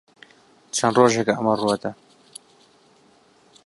چەند ڕۆژێکە ئەمە ڕوو دەدات.